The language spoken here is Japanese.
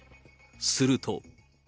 すると。